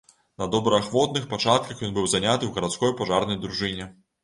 На добраахвотных пачатках ён быў заняты ў гарадской пажарнай дружыне.